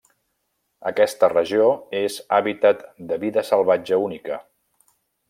Aquesta regió és hàbitat de vida salvatge única.